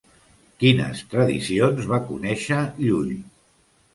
Quines tradicions va conèixer Llull?